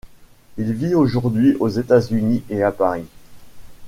Il vit aujourd'hui aux États-Unis et à Paris.